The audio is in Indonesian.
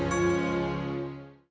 karena kau sudah menemukan jodoh